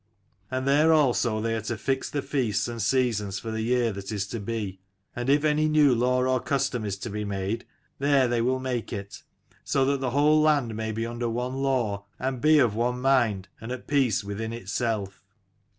And there also they are to fix the feasts and seasons for the year that is to be : amd if any new law or custom is to be made, there will they make it: so that the whole land may be under one law, and be of one mind, and at peace within itself.